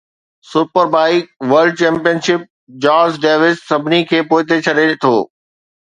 super bike world championship Chaz Davies سڀني کي پوئتي ڇڏي ٿو